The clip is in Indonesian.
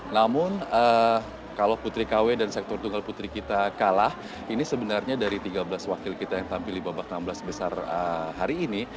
namun kalau putri kw dan sektor tunggal putri kita kalah ini sebenarnya dari tiga belas wakil kita yang tampil di babak enam belas besar hari ini